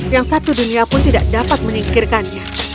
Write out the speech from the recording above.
yang satu dunia pun tidak dapat menyingkirkannya